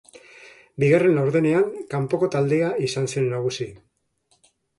Bigarren laurdenean kanpoko taldea izan zen nagusi.